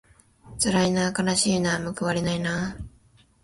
つらいなあかなしいなあむくわれないなあ